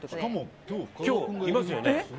今日、いますよね。